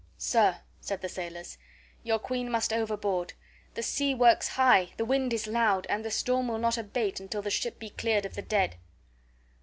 "Sir," said the sailors, "your queen must overboard. The sea works high, the wind is loud, and the storm will not abate till the ship be cleared of the dead."